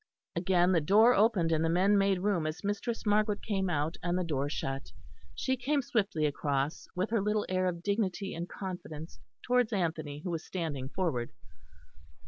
Again the door opened, and the men made room as Mistress Margaret came out, and the door shut. She came swiftly across, with her little air of dignity and confidence, towards Anthony, who was standing forward.